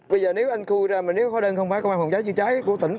bây giờ nếu anh khui ra nếu khói đơn không phải công an phòng trái trữ trái của tỉnh